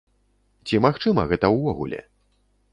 Ці магчыма гэта ўвогуле?